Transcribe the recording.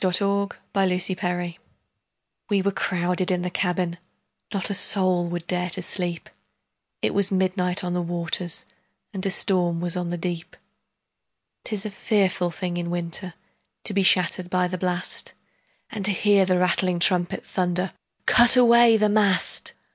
W X . Y Z Ballad of the Tempest WE were crowded in the cabin, Not a soul would dare to sleep, It was midnight on the waters, And a storm was on the deep. 'Tis a fearful thing in winter To be shattered by the blast, And to hear the rattling trumpet Thunder, "Cut away the mast!"